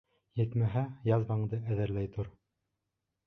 Етмәһә, язваңды әҙерләй тор.